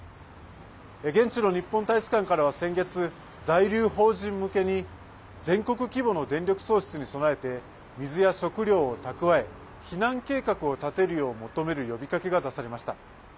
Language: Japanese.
現地の日本大使館からは先月、在留邦人向けに全国規模の電力喪失に備えて水や食料を蓄え避難計画を立てるよう求める呼びかけが出されました。